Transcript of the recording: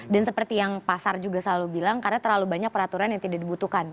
dan seperti yang pasar juga selalu bilang karena terlalu banyak peraturan yang tidak dibutuhkan